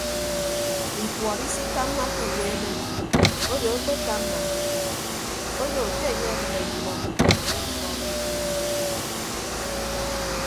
Ikuọt isitammake uweeme odo akpetamma odo enye abịne mkpọ me mkpọ abịne enye.